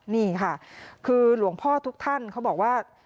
นี่ค่ะคือหลวงพ่อทุกท่านเขาบอกว่า